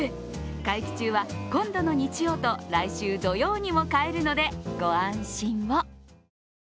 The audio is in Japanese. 会期中は今度の日曜と来週土曜にも買えるのでご安心を。